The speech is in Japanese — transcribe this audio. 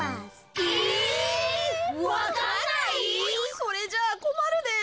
それじゃあこまるで。